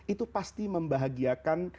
itu pasti membahagiakan